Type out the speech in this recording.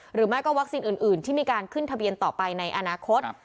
หรือไม่ก็วัคซีนอื่นที่มีการขึ้นทะเบียนต่อไปในอนาคต